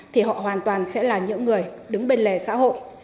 thì họ hoàn toàn sẽ là những người đứng bên lề xã hội